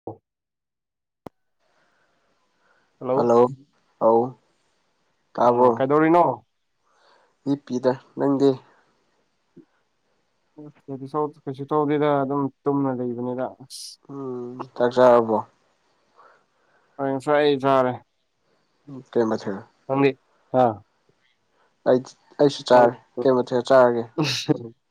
[inaudible] Hello ꯑꯥꯎ ꯑꯣ ꯀꯩꯗꯧꯔꯤꯅꯣ ꯍꯤꯞꯄꯤꯗ ꯅꯪꯗꯤ ꯀꯩꯁꯨ ꯀꯩꯁꯨ ꯇꯧꯗꯦꯗ ꯑꯗꯨꯝ ꯇꯨꯝꯃ ꯂꯩꯕꯅ‌ꯦꯗ ꯑꯁ ꯎꯝ ꯆꯥꯛ ꯆꯥꯔꯕꯣ ꯍ‌ꯣꯏ ꯉꯁꯥꯏ ꯆꯥꯔꯦ ꯎꯝ ꯀꯩ ꯃꯊ‌ꯦꯜ ꯑꯃ‌ꯦꯠꯄ ꯑꯩꯁ ꯑꯩꯁꯨ ꯆꯥꯔꯦ ꯀꯩ ꯃꯊꯦꯜ ꯆꯥꯔꯒꯦ [unintelligible]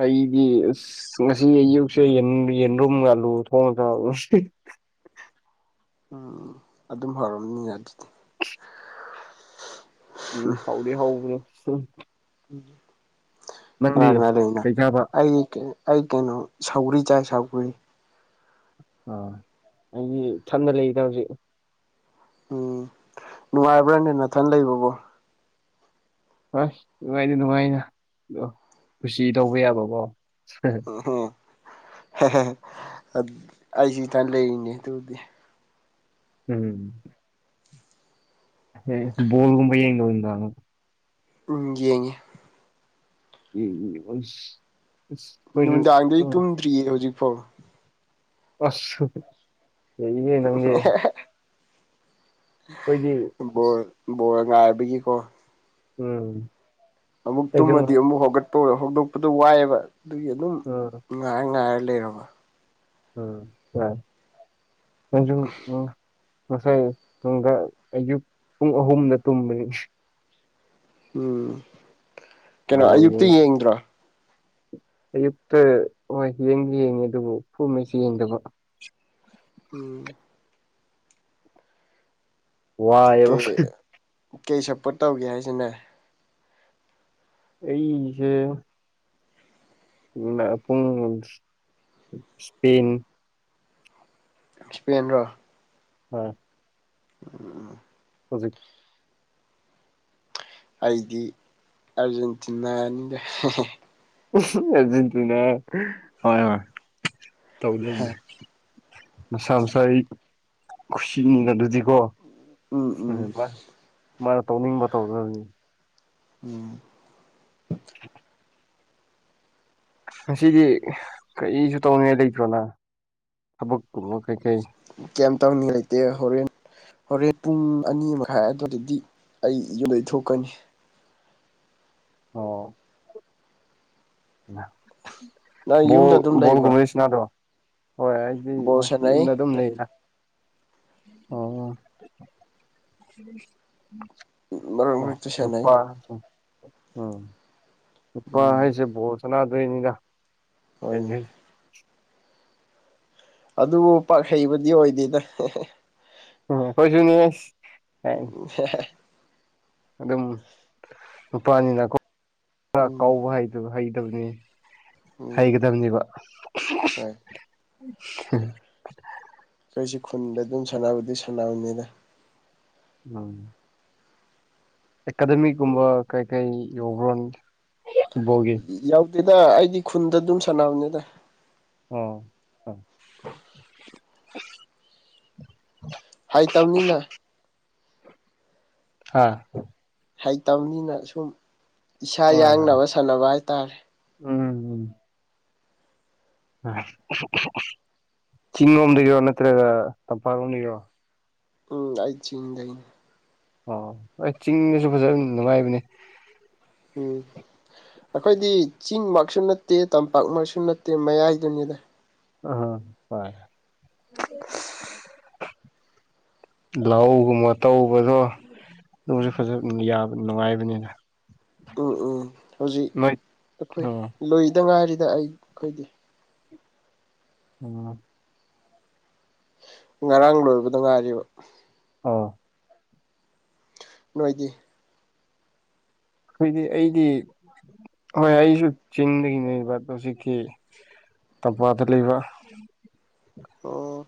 ꯑꯩꯗꯤ ꯑꯁ ꯉꯁꯤ ꯑꯌꯨꯛꯁꯦ ꯌꯦꯟ‌ ꯌꯦꯟ‌ꯔꯨꯝꯒ ꯑꯥꯂꯨꯒ ꯊꯣꯡꯉ ꯆꯥꯕ ꯎꯝ ꯑꯗꯨꯝ ꯍꯥꯎꯔꯝꯅꯤ ꯑꯗꯨꯗꯤ ꯎꯝ ꯍꯥꯎꯗꯤ ꯍꯥꯎꯕꯅꯤ ꯀꯅꯥ ꯀꯅꯥ ꯂꯩꯔꯤꯅ‌ꯣ ꯀꯩ ꯆꯥꯕ ꯑꯩꯒꯤ ꯑꯩ ꯀꯩꯅꯣ ꯁꯧꯒꯔꯤ ꯆꯥꯏ ꯁꯧꯒꯔꯤ ꯑ ꯑꯩꯒꯤ ꯁꯝꯗ ꯂꯩꯔꯤꯗ ꯍꯧꯖꯤꯛ ꯎꯝ ꯅꯨꯡꯉꯥꯏꯕ꯭ꯔꯥꯅꯦ ꯃꯊꯟ ꯂꯩꯕꯕꯣ ꯍꯣꯏ ꯅꯨꯡꯉꯥꯏꯗꯤ ꯅꯨꯡꯉꯥꯏꯅ ꯀꯨꯁꯤ ꯇꯧꯕ ꯌꯥꯕꯀꯣ ꯑꯁꯨꯇ ꯂꯩꯅꯤ ꯇꯗꯤ ꯎꯝ ꯑꯦ ꯣꯜꯒꯨꯝꯕꯡꯣ ꯎꯝ ꯌꯦꯡꯉꯤ ꯎꯝ ꯎ ꯑꯩꯈꯣꯏꯁꯨ ꯅꯨꯡꯗꯥꯡꯗꯩ ꯇꯨꯝꯗ꯭ꯔꯤꯌꯦ ꯍꯧꯖꯤꯛꯐꯥꯎ ꯑꯁ ꯑꯩꯦ ꯅꯪꯒ ꯑꯩꯈꯣꯏꯗꯤ ꯑꯁ ꯕꯣꯔ ꯉꯥꯏꯕꯒꯤꯀꯣ ꯎꯝ ꯑꯃꯨꯛ ꯇꯨꯝꯃꯗꯤ ꯑꯩꯁꯨ ꯑꯃꯨꯛ ꯍꯧꯒꯠꯄ ꯑꯣꯏꯔ ꯍꯧꯗꯣꯛꯄꯗꯣ ꯋꯥꯏꯑꯦꯕ ꯑꯗꯨꯒꯤ ꯑꯗꯨꯝ ꯎ ꯉꯥꯏꯔ ꯉꯥꯏꯔ ꯂꯩꯔꯕ ꯎꯝ ꯌꯥ ꯎ ꯉꯁꯥꯏꯪꯗ ꯑꯌꯨꯛ ꯄꯨꯡ ꯑꯍꯨꯝꯗ ꯇꯨꯝꯕ ꯎꯝ ꯀꯩꯅꯣ ꯕꯣꯜ ꯑꯌꯨꯛꯇ ꯌꯦꯡ ꯌꯦꯡꯗ꯭ꯔꯣ ꯑꯌꯨꯛꯇ ꯍꯣꯏ ꯌꯦꯡꯗꯤ ꯌꯦꯡꯉꯦ ꯑꯗꯨꯕꯨ ꯐꯨꯉꯩꯁꯤ ꯌꯦꯡꯗꯕ ꯎꯝ ꯋꯥꯏꯑꯦꯕ ꯀꯩ ꯀꯩ ꯁꯞꯄꯣꯔꯠ ꯇꯧꯒꯦ ꯍꯥꯏꯁꯤꯅꯦ ꯑꯩꯁꯦ ꯄꯨꯡ ꯏꯁꯄꯦꯟ ꯁ꯭ꯄꯦꯟ ꯔꯣ ꯍ ꯎꯝ ꯎꯝ ꯍꯧꯖꯤꯛ ꯑꯩꯗꯤ ꯑꯥꯔꯖꯦꯟꯇꯤꯅꯥꯅꯤꯗ ꯑꯦꯔꯖꯦꯟꯇꯤꯅꯥ ꯍꯣꯏ ꯍꯣꯏ ꯇꯧꯒꯗꯕꯅꯦ ꯃꯁꯥ ꯃꯁꯥ ꯈꯨꯁꯤꯅꯤ ꯗ ꯑꯗꯨꯗꯤꯀꯣ ꯎꯝ ꯃꯥꯅ ꯇꯧꯅꯤꯡꯕ ꯇꯧꯗꯧꯅꯤ ꯎꯝ [unintelligible] ꯉꯁꯤꯗꯤ ꯀꯔꯤꯁꯨ ꯇꯧꯅꯤꯡꯉꯥꯏ ꯂꯩꯇ꯭ꯔꯣ ꯅꯪ ꯊꯕꯛꯀꯨꯝꯕ ꯀꯩꯀꯩ ꯀꯩꯝ ꯇꯧꯅꯤꯡꯉꯢ ꯂꯩꯇꯦ ꯍꯣꯔꯦꯟ ꯍꯣꯔꯦꯟ ꯄꯨꯡ ꯑꯅꯤ ꯃꯈꯥꯏ ꯑꯗꯨꯋꯢꯗꯗꯤ ꯑꯩ ꯌꯨꯝꯗꯩ ꯊꯣꯛꯀꯅꯤ ꯑꯣ ꯅꯪ ꯕꯣꯜ ꯌꯨꯝꯗ ꯑꯗꯨꯝ ꯂꯩꯕ꯭ꯔꯣ ꯕꯣꯜꯒꯨꯝ꯭ꯕꯗꯤ ꯁꯟꯅꯕ꯭ꯔꯣ ꯍꯣꯏ ꯑꯩꯗꯤ ꯕꯣꯜ ꯍꯣꯏ ꯁꯥꯟꯅꯩ ꯌꯨꯝꯗ ꯑꯗꯨꯝ ꯂꯩꯗ ꯑꯣ ꯃꯔꯛ ꯃꯔꯛꯇ ꯎꯝ ꯁꯥꯟꯅꯩ ꯅꯨꯄꯥ ꯎꯝ ꯅꯨꯄꯥ ꯎꯝ ꯍꯥꯏꯁꯦ ꯕꯣꯜ ꯁꯟꯅꯥꯗꯣꯏꯅꯤꯅ ꯍꯣꯏꯅꯦ ꯀꯩ ꯑꯗꯨꯕꯨ ꯄꯥꯛ ꯍꯩꯕꯗꯤ ꯑꯣꯏꯗꯦꯗ ꯍꯦꯍꯦꯍꯦ ꯎꯝ ꯑꯩꯈꯣꯏꯁꯨꯅꯦ ꯎꯝ ꯍꯦꯡꯍꯦꯡꯍꯦ ꯑꯗꯨꯝ ꯅꯨꯄꯥꯅꯤꯅ ꯀꯣ ꯈꯔ ꯎꯝ ꯀꯩꯕ ꯍꯥꯏ ꯑꯗꯨ ꯍꯩꯗꯕꯅꯦ ꯎꯝ ꯍꯩꯒꯗꯕꯅꯤꯕ ꯍꯣꯏ [unintelligible] ꯑꯩꯁꯨ ꯈꯨꯟꯗ ꯑꯗꯨꯝ ꯁꯥꯟꯅꯕꯗꯤ ꯁꯥꯟꯅꯕꯅꯤꯘ ꯎꯝ ꯑꯦꯀꯥꯗꯃꯤ ꯀꯨꯝꯕ ꯀꯩ ꯀꯩ ꯌꯧꯕ꯭ꯔꯣ ꯕꯣꯜꯒꯤ ꯌꯥꯎꯗꯦꯗ ꯑꯩꯗꯤ ꯈꯨꯟꯗ ꯑꯗꯨꯝ ꯁꯥꯟꯅꯕꯅꯤꯗ ꯑꯣ ꯍꯩꯇꯕꯅꯤꯅ ꯍꯥꯥ ꯍꯩꯇꯕꯅꯤꯅ ꯁꯨꯝ ꯏꯁꯥ ꯍꯣꯏ ꯍꯣꯏ ꯌꯥꯡꯅꯕ ꯁꯥꯟꯅꯕ ꯍꯥꯏꯇꯥꯔꯦ ꯎꯝ ꯎꯝ ꯆꯤꯡ ꯂꯣꯝꯗꯒꯤꯔꯣ ꯅꯠꯇ꯭ꯔꯒ ꯇꯝꯄꯥꯛꯂꯣꯝꯗꯒꯤꯔꯣ ꯎꯝ ꯑꯩ ꯆꯤꯡꯗꯩꯅꯤ ꯑꯣ ꯍꯣꯏ ꯆꯤꯡꯗꯁꯨ ꯐꯖꯅ ꯅꯨꯡꯉꯥꯏꯕꯅꯦ ꯎꯝ ꯑꯩꯈꯣꯏꯗꯤ ꯆꯤꯡꯃꯛꯁꯨ ꯅꯠꯇꯦ ꯇꯝꯄꯥꯛꯃꯛꯁꯨ ꯅꯠꯇꯦ ꯃꯌꯥꯏꯗꯨꯅꯤꯗ [unintelligible] ꯂꯧꯒꯨꯝꯕ ꯇꯧꯕꯗꯣ ꯅꯣꯡꯁꯨ ꯐꯖꯅ ꯌꯥꯕ ꯅꯨꯡꯉꯥꯏꯕꯅꯤꯅ ꯎꯝ ꯎꯝ ꯍꯧꯖꯤꯛ ꯅꯣꯏ ꯑꯩꯈꯣꯏ ꯑꯣ ꯂꯣꯏꯗ ꯉꯥꯏꯔꯤꯗ ꯑꯩ ꯑꯩꯈꯣꯏꯗꯤ ꯎꯝ ꯉꯔꯥꯡ ꯂꯣꯏꯕꯗ ꯉꯥꯏꯔꯤꯕ ꯑꯣ ꯅꯣꯏꯗꯤ ꯑꯩꯈꯣꯏꯗꯤ ꯑꯩꯗꯤ ꯍꯣꯏ ꯑꯩꯁꯨ ꯆꯤꯡꯗꯒꯤꯅꯦꯕ ꯑꯘꯣ ꯍꯧꯖꯤꯛꯇꯤ ꯇꯝꯄꯥꯛꯇ ꯂꯩꯕ ꯑꯣ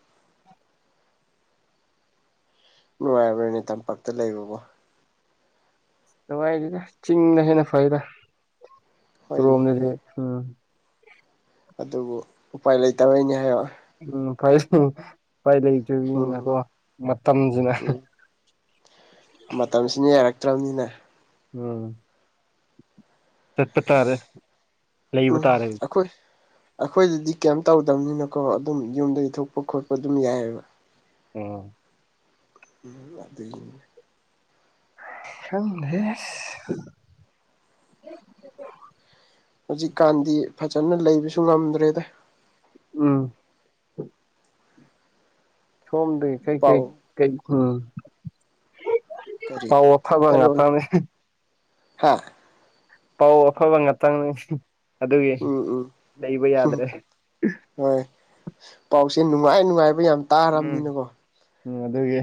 ꯅꯨꯡꯉꯥꯏꯕ꯭ꯔꯅꯦ ꯇꯝꯄꯥꯛꯇ ꯂꯩꯕꯕꯨ ꯅꯨꯡꯉꯥꯏꯗꯦꯗ ꯆꯤꯡꯅ ꯍꯦꯟꯅ ꯐꯩꯗ ꯍꯣꯏꯅꯦ ꯑꯗꯨꯔꯣꯝꯗꯗꯤ ꯎꯝ ꯑꯗꯨꯕꯨ ꯎꯄꯥꯏ ꯂꯩꯇꯕꯩꯅꯦ ꯍꯥꯏꯕ ꯎꯝ [unintelligible] ꯎꯝ ꯂꯩꯇ꯭ꯔꯔꯤꯕꯅꯤꯅꯀꯣ ꯎꯝ ꯃꯇꯝꯁꯤꯅ ꯎꯝ ꯃꯇꯝꯁꯤꯅ ꯌꯥꯔꯛꯇ꯭ꯔꯕꯅꯤꯅ ꯎꯝ ꯆꯠꯄ ꯇꯥꯔꯦ ꯂꯩꯕ ꯎꯝ ꯇꯥꯔꯦ ꯑꯩꯈꯣꯏ ꯑꯩꯈꯣꯏꯗꯗꯤ ꯀꯩꯝ ꯇꯧꯗꯕꯅꯤꯅꯀꯣ ꯑꯗꯨꯝ ꯌꯨꯝꯗꯒꯤ ꯊꯣꯛꯄ ꯈꯣꯠꯄ ꯑꯗꯨꯝ ꯌꯥꯏꯑꯕ ꯑꯣ ꯎꯝ ꯑꯗꯨꯒꯤꯅꯦ ꯈꯪꯗꯦꯁ ꯍꯧꯖꯤꯛꯀꯥꯟꯗꯤ ꯐꯖꯅ ꯂꯩꯕꯁꯨ ꯉꯝꯗ꯭ꯔꯦꯗ ꯎꯝ ꯁꯣꯝꯗꯦ ꯀꯩꯀꯩ ꯄꯥꯎ ꯀꯩ ꯎꯝ ꯀꯔꯤ ꯄꯥꯎ ꯑꯐꯕ ꯍꯔꯛꯑꯣꯅꯦ ꯉꯥꯛꯇꯪꯅꯤ ꯍꯥꯥ ꯄꯥꯎ ꯑꯐꯕ ꯉꯥꯛꯇꯪꯅꯤ ꯑꯗꯨꯒꯤ ꯎꯝ ꯂꯩꯕ ꯎꯝ ꯌꯥꯗ꯭ꯔꯦ ꯍꯣꯏ ꯄꯥꯎꯁꯦ ꯅꯨꯡꯉꯥꯏ ꯅꯨꯡꯉꯥꯏꯕ ꯌꯥꯝ ꯎꯝ ꯇꯥꯔꯕꯅꯤꯅꯀꯣ ꯎꯝ ꯑꯗꯨꯒꯤ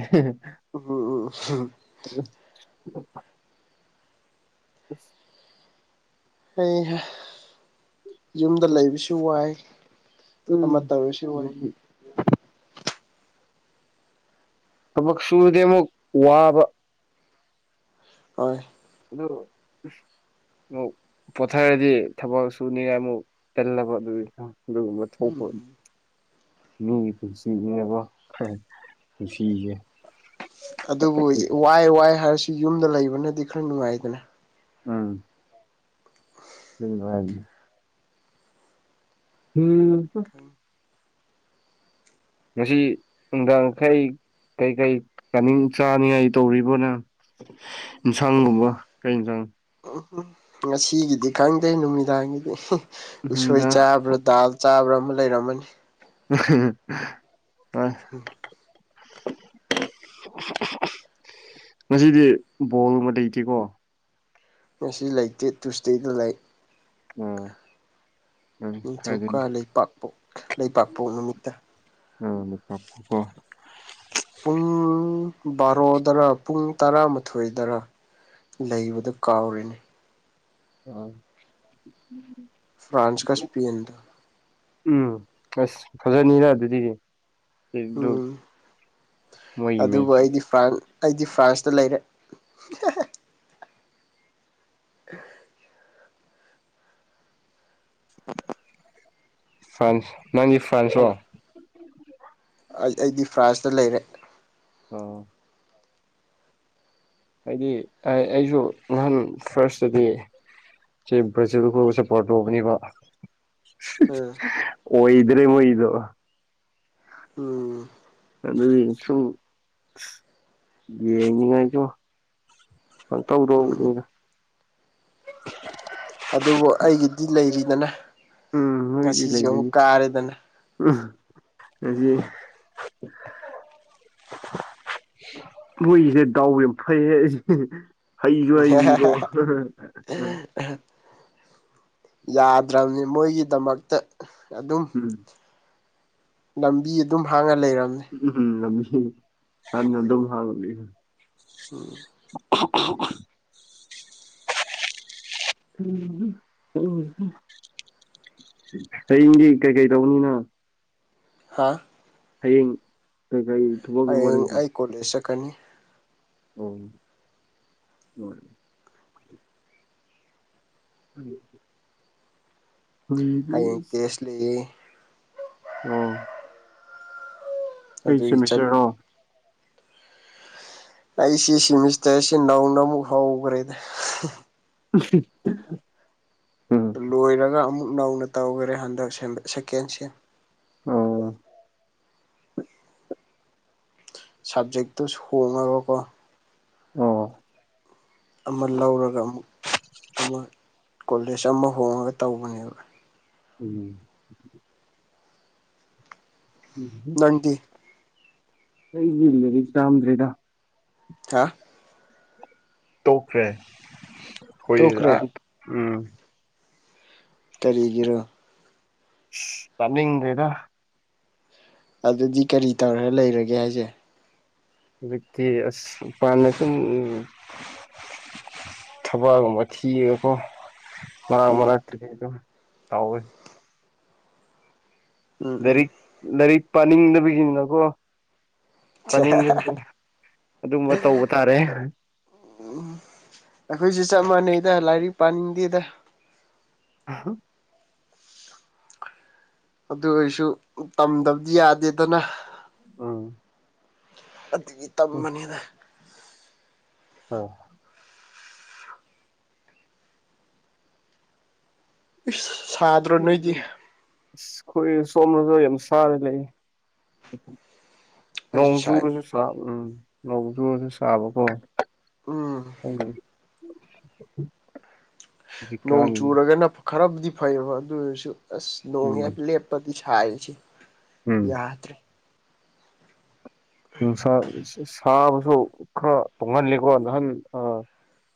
ꯎꯝ [inaudible] [inaudible] ꯍꯩꯍꯥ ꯌꯨꯝꯗ ꯂꯩꯕꯁꯨ ꯋꯥꯏ ꯑꯃ ꯎꯝ ꯇꯧꯔꯁꯨ ꯋꯥꯏ ꯊꯕꯛ ꯁꯨꯔꯗꯤ ꯑꯃꯨꯛ ꯋꯥꯕ ꯍꯣꯏ ꯑꯗꯣ ꯑꯃꯨꯛ ꯄꯣꯊꯔꯗꯤ ꯊꯕꯛ ꯁꯨꯅꯤꯡꯉꯥꯏ ꯑꯃꯨꯛ ꯇꯜꯂꯕ ꯑꯗꯨꯒꯤ ꯑꯗꯨꯒꯨꯝꯕ ꯍ ꯍꯣꯏ ꯎꯝ ꯃꯤꯒꯤ ꯄꯨꯟꯁꯤ ꯏꯅꯕ ꯄꯨꯟꯁꯤꯁꯦ ꯑꯗꯨꯕꯨ ꯋꯥꯏ ꯋꯥꯏ ꯍꯥꯏꯔꯁꯨ ꯌꯨꯝꯗ ꯂꯩꯕꯅꯗꯤ ꯈꯔ ꯅꯨꯡꯉꯥꯏꯗꯅ ꯎꯝ ꯑꯗꯨꯅꯤ ꯎꯝ ꯉꯁꯤ ꯅꯨꯡꯗꯥꯡꯈꯥꯏ ꯀꯩ ꯀꯩ ꯆꯥꯅꯤꯡ ꯆꯥꯅꯤꯡꯉꯥꯏ ꯇꯧꯔꯤꯕꯣꯅ ꯏꯟꯁꯥꯡꯒꯨꯝꯕ ꯀꯩ ꯌꯦꯟꯁꯥꯡ ꯎꯝ ꯉꯁꯤꯒꯤꯗꯤ ꯈꯪꯗꯦ ꯅꯨꯃꯤꯗꯥꯡꯒꯤꯗꯤ ꯎꯁꯣꯏ ꯎꯝꯗ ꯆꯥꯕ꯭ꯔꯥ ꯗꯥꯜ ꯆꯥꯕ꯭ꯔꯥ ꯑꯃ ꯂꯩꯔꯝꯃꯅꯤ ꯑ ꯉꯁꯤꯗꯤ ꯕꯣꯜ ꯑꯃ ꯂꯩꯇꯦꯀꯣ ꯉꯁꯤ ꯂꯩꯇꯦ ꯇꯨꯁꯗꯦꯗ ꯂꯩ ꯑꯥ ꯎꯝ ꯅꯤꯡꯊꯧꯀ ꯍꯥꯏꯗꯣꯏꯅꯦ ꯂꯩꯄꯥꯛꯄ ꯂꯩꯄꯥꯛꯥꯛꯄꯣꯛ ꯅꯨꯃꯤꯠꯇ ꯑ ꯑꯃꯨꯛ ꯀꯥꯞꯄꯨꯀꯣ ꯄꯨꯡ ꯕꯥꯔꯣꯗꯔ ꯄꯨꯡ ꯇꯔꯥꯃꯥꯊꯣꯏꯗꯔ ꯂꯩꯕꯗꯨ ꯀꯥꯎꯔꯤꯅꯤ ꯑ ꯐ꯭ꯔꯥꯟꯁ ꯀ ꯁꯄꯤꯟꯗꯣ ꯎꯝ ꯑꯁ ꯐꯖꯅꯤꯅ ꯑꯗꯨꯗꯤ ꯑꯗꯨ ꯎꯝ ꯃꯣꯏꯒꯤ ꯑꯗꯨꯕꯨ ꯃꯦꯠꯁ ꯑꯩꯗꯤ ꯐ꯭ꯔꯥꯟ ꯑꯩꯗꯤ ꯐ꯭ꯔꯥꯟꯁꯇ ꯂꯩꯔꯦ [inaudible] ꯐ꯭ꯔꯥꯟꯁ ꯅꯪꯗꯤ ꯑꯜꯂ ꯑꯩ ꯑꯩꯗꯤ ꯐ꯭ꯔꯥꯟꯁꯇ ꯂꯩꯔꯦ ꯑꯣ ꯑꯩꯗꯤ ꯑ ꯑꯩꯁꯨ ꯅꯍꯥꯟ ꯐꯥꯔꯁꯇꯗꯤ ꯁꯤ ꯕ꯭ꯔꯥꯖꯤꯜꯕꯨ ꯁꯞꯄꯣꯔꯠ ꯇꯧꯕꯅꯤꯕ ꯎꯝ ꯑꯣꯏꯗ꯭ꯔꯦ ꯃꯣꯏꯗꯣ ꯎꯝ ꯑꯗꯨ ꯑꯣꯢꯁꯨ ꯌꯦꯡꯅꯤꯉꯥꯏꯇꯣ ꯄꯪꯇꯧ ꯎꯝ ꯇꯧꯕꯅꯤꯗ ꯑꯗꯨꯕꯨ ꯑꯩꯒꯤꯗꯤ ꯂꯩꯔꯤꯗꯅ ꯎꯝ ꯃꯣꯏꯗꯤ ꯉꯁꯤꯁꯨ ꯂꯩꯔꯤ ꯑꯃꯨꯛ ꯀꯥꯔꯦꯗꯅ ꯎꯝ ꯎꯖꯤ ꯃꯣꯏꯒꯤꯁꯦ ꯗꯥꯎꯕ ꯌꯥꯝ ꯐꯩꯌꯦ ꯑꯩꯁ ꯍꯩꯁꯨ ꯍꯩꯕꯤꯒꯣ ꯌꯥꯗ꯭ꯔꯕꯅꯤ ꯃꯣꯏꯒꯤꯗꯃꯛꯇ ꯑꯗꯨꯝ ꯎꯝ ꯂꯝꯕꯤ ꯑꯗꯨꯝ ꯍꯥꯡꯉ ꯂꯩꯔꯝꯅꯤ ꯎꯝꯍꯨꯝ ꯂꯝꯕꯤ ꯁꯅ ꯑꯗꯨꯝ ꯍꯥꯡꯉꯥ ꯂꯩ ꯎꯝ [unintelligible] ꯎꯝ ꯍꯨꯝ ꯍꯌꯦꯡꯗꯤ ꯀꯩꯀꯩ ꯇꯧꯅꯤꯅ ꯍꯥꯥ ꯍꯌꯦꯡ ꯀꯩꯀꯩ ꯊꯕꯛꯀꯨꯝꯕ ꯍꯌꯦꯡ ꯂꯩꯕ꯭ꯔꯣ ꯑꯩ ꯀꯣꯂꯦꯖ ꯆꯠꯀꯅꯤ ꯑꯣꯝ ꯑꯣꯏ ꯎꯝ ꯍꯌꯦꯡ ꯇꯦꯁ ꯂꯩꯌꯦ ꯑꯣ ꯀꯔꯤ ꯑꯗꯨꯒꯤ ꯆꯠ ꯁꯦꯃꯦꯁꯇꯔꯔꯣ ꯑꯩꯁꯤ ꯁꯤꯃꯤꯁꯇꯔꯁꯤ ꯅꯧꯅ ꯑꯃꯨꯛ ꯍꯧꯒ꯭ꯔꯦꯗ [unintelligible] ꯎꯝ ꯂꯣꯏꯔꯒ ꯑꯃꯨꯛ ꯅꯧꯅ ꯇꯧꯒꯔꯦ ꯍꯟꯗꯛ ꯁꯦꯝꯕ ꯁꯦꯀꯦꯟꯁꯦꯝ ꯑꯣ ꯁꯕꯖꯦꯛꯇꯨ ꯁꯨ ꯍꯣꯡꯉꯒꯀꯣ ꯑꯣ ꯑꯃ ꯂꯧꯔꯒ ꯑꯃꯨꯛ ꯑꯃ ꯀꯣꯂꯦꯖ ꯑꯃ ꯍꯣꯡꯉꯒ ꯇꯧꯕꯅꯦꯕ ꯎꯝ ꯎꯝ ꯅꯪꯗꯤ ꯑꯩꯗꯤ ꯂꯥꯏꯔꯤꯛ ꯇꯝꯗ꯭ꯔꯦꯗ ꯍꯥ ꯇꯣꯛꯈ꯭ꯔꯦ ꯍꯣꯏ ꯇꯣꯛꯈ꯭ꯔꯦ ꯑ ꯎꯝ ꯀꯔꯤꯒꯤꯔꯥ ꯇꯝꯅꯤꯡꯗꯦꯗ ꯑꯗꯨꯗꯤ ꯀꯔꯤ ꯇꯧꯔꯦ ꯂꯩꯔꯒꯦ ꯍꯥꯏꯁꯦ ꯍꯧꯖꯤꯛꯇꯤ ꯑꯁ ꯃꯄꯥꯟꯗꯁꯨꯝ ꯊꯕꯛꯒꯨꯝꯕ ꯊꯤꯔꯥꯒꯀꯣ ꯃꯔꯛ ꯎꯝ ꯃꯔꯛꯇꯗꯤ ꯑꯗꯨ ꯇꯧꯋꯦ ꯎꯝ ꯎꯝ ꯂꯥꯏꯔꯤꯛ ꯂꯥꯏꯔꯤꯛ ꯄꯥꯅꯤꯡꯗꯕꯒꯤꯅꯤꯅꯀꯣ ꯄꯥꯅꯤꯡꯗꯕꯒꯤꯅꯤ ꯑꯗꯨꯝꯕ ꯇꯧꯕ ꯇꯥꯔꯦ ꯑꯩꯈꯣꯏꯁꯨ ꯆꯞ ꯃꯥꯟꯅꯩꯗ ꯂꯥꯏꯔꯤꯛ ꯄꯥꯅꯤꯡꯗꯦꯗ ꯑ ꯑꯗꯨ ꯑꯣꯏꯔꯁꯨ ꯇꯝꯗꯕꯗꯤ ꯌꯥꯗꯦꯗꯅ ꯎꯝ ꯑꯗꯨꯒꯤ ꯇꯝꯕꯅꯤꯗ ꯑꯣ ꯏꯁ ꯁꯥꯗ꯭ꯔꯣ ꯅꯣꯏꯗꯤ ꯑꯁ ꯑꯩꯈꯣꯏ ꯁꯣꯝꯗꯁꯨ ꯌꯥꯝ ꯁꯥꯔ ꯂꯩ ꯑꯩꯁꯨ ꯁꯥꯏ ꯅꯣꯡꯆꯨꯔꯁꯨ ꯁꯥꯕ ꯎꯝ ꯅꯣꯡꯆꯨꯔꯁꯨ ꯁꯥꯕꯀꯣ ꯎꯝ ꯎꯝ ꯅꯣꯡ ꯆꯨꯔꯒꯅ ꯈꯔꯕꯨꯗꯤ ꯐꯩꯌꯦꯕ ꯑꯗꯨ ꯑꯣꯏꯔꯁꯨ ꯑꯁ ꯅꯣꯡ ꯍꯦꯛ ꯎꯝ ꯂꯦꯞ ꯄꯗꯤ ꯁꯥꯔꯤꯁꯤ ꯎꯝ ꯌꯥꯗ꯭ꯔꯦ ꯅꯨꯡꯁꯥ ꯁꯥꯕꯁꯨ ꯈꯔ ꯇꯣꯡꯉꯥꯜꯂꯤꯀꯣ ꯅꯍꯥꯟ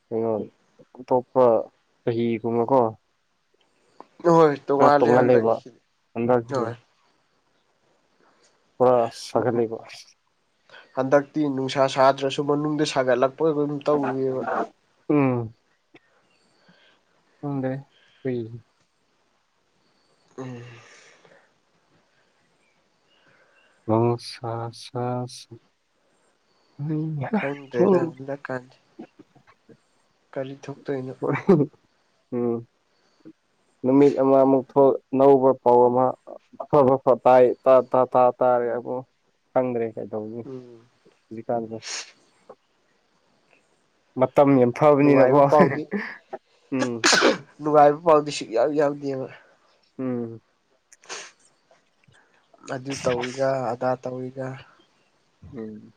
ꯀꯩꯅꯣ ꯑꯇꯣꯞꯄ ꯆꯍꯤꯒꯨꯝꯕꯀꯣ ꯍꯣꯏ ꯈꯔ ꯇꯣꯡꯉꯥꯜꯂꯤ ꯇꯣꯡꯍꯜꯂꯦꯕ ꯍꯟꯗꯛꯁꯤ ꯍꯟꯗꯛꯁꯤꯗꯤ ꯍꯣꯏ ꯄꯨꯔꯥ ꯁꯒꯠꯂꯤꯕꯣ ꯍꯟꯗꯛꯇꯤ ꯅꯨꯡꯁꯥ ꯁꯥꯗ꯭ꯔꯁꯨ ꯃꯅꯨꯡꯗ ꯁꯥꯒꯠꯂꯛꯄ [unintelligible] ꯇꯧꯋꯦꯕ [unintelligible] ꯎꯝ ꯈꯪꯗ꯭ꯔꯦ ꯎꯝ ꯑꯃꯨꯛ ꯁꯥ ꯍꯩꯍꯥ [unintelligible] ꯀꯔꯤ ꯀꯔꯤ ꯊꯣꯛꯇꯣꯏꯅꯣ ꯎꯝ ꯅꯨꯃꯤꯠ ꯑꯃ ꯑꯃꯨꯛ ꯊꯣꯛ ꯑꯅꯧꯕ ꯄꯥꯎ ꯑꯃ ꯑꯐꯕ ꯐ ꯇꯥꯏ ꯇꯥꯔꯦ ꯑꯗꯨ ꯈꯪꯗ꯭ꯔꯦ ꯀꯩꯗꯧ ꯎꯝ ꯍꯧꯖꯤꯛꯀꯥꯟꯁꯦ ꯃꯇꯝ ꯌꯥꯝ ꯐꯕꯅꯤꯅꯀꯣ ꯅꯨꯡꯉꯥꯏꯕ ꯎꯝ [unintelligible] ꯅꯨꯡꯉꯥꯏꯕ ꯄꯥꯎꯗꯤ ꯁꯨꯌꯥꯎ ꯌꯥꯎꯗꯦꯕ ꯎꯝ ꯑꯗꯨ ꯇꯧꯏꯒ ꯑꯗꯥ ꯇꯧꯏꯒ꯫ ꯎꯝ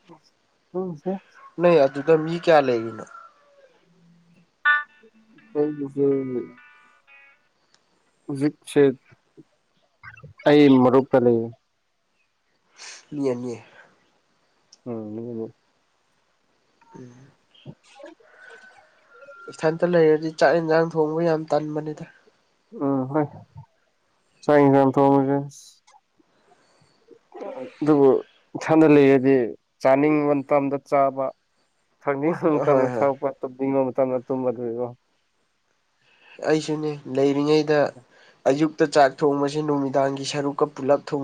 [unintelligible] ꯅꯣꯏ ꯑꯗꯨꯗ ꯃꯤ ꯀꯌꯥ ꯂꯩꯔꯤꯅꯣ [inaudible] [inaudible] ꯍꯧꯖꯤꯛꯁꯦ ꯑꯩ ꯃꯔꯨꯞꯀ ꯂꯩꯕꯅꯦ ꯃꯤ ꯑꯅꯤ [inaudible] [inaudible] [inaudible] ꯏꯊꯟꯇ ꯂꯩꯔꯗꯤ ꯆꯥꯛ ꯏꯟꯖꯥꯡ ꯊꯣꯡꯕ ꯌꯥꯝ ꯇꯟꯕꯅꯤꯗ꯫ ꯎꯝ ꯍꯣꯏ ꯆꯥꯛ ꯏꯟꯖꯥꯡ ꯊꯣꯡꯕꯖꯦ ꯑꯗꯨꯕꯨ ꯏꯊꯟꯇ ꯂꯩꯔꯗꯤ ꯆꯥꯅꯤꯡꯕ ꯃꯇꯝꯗ ꯆꯥꯕ ꯊꯛꯅꯤꯡꯕ ꯍꯣꯏ ꯃꯇꯝꯗ ꯍꯣꯏ ꯊꯛꯄ ꯇꯨꯝꯅꯤꯡꯕ ꯃꯇꯝꯗ ꯇꯨꯝꯕ ꯑꯗꯨꯏꯀꯣ ꯑꯩꯁꯨꯅꯦ ꯂꯩꯔꯤꯉꯩꯗ ꯑꯌꯨꯛꯇ ꯆꯥꯛ ꯊꯣꯡꯕꯁꯦ ꯅꯨꯃꯤꯗꯥꯡꯒꯤ ꯁꯔꯨꯛꯀ ꯄꯨꯜꯂꯄ ꯊꯣꯡꯖ